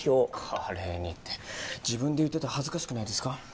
華麗にって自分で言ってて恥ずかしくないですか？